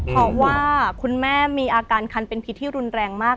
เพราะว่าคุณแม่มีอาการคันเป็นพิษที่รุนแรงมาก